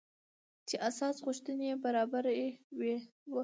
چې اساسي غوښتنې يې برابري وه .